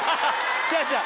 違う違う。